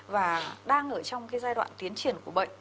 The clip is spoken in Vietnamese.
và đang ở trong cái giai đoạn tiến triển của bệnh